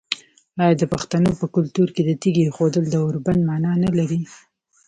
آیا د پښتنو په کلتور کې د تیږې ایښودل د اوربند معنی نلري؟